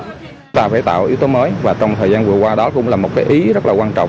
chúng ta phải tạo yếu tố mới và trong thời gian vừa qua đó cũng là một cái ý rất là quan trọng